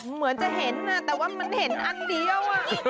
เหมือนจะเห็นแต่ว่ามันเห็นอันเดียว